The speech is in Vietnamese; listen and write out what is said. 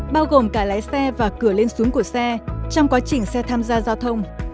bao gồm cả lái xe và cửa lên xuống của xe trong quá trình xe tham gia giao thông